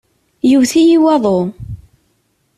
Yewwet-iyi waḍu.